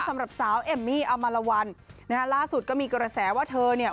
สำหรับสาวเอมมี่อมารวัลนะฮะล่าสุดก็มีกระแสว่าเธอเนี่ย